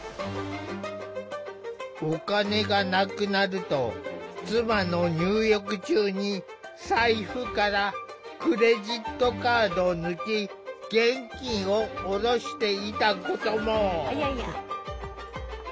お金がなくなると妻の入浴中に財布からクレジットカードを抜き現金を下ろしていたことも。